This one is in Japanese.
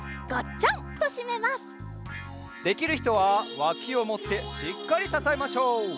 できるひとはわきをもってしっかりささえましょう。